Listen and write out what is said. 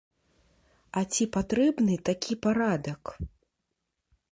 А ці патрэбны такі парадак?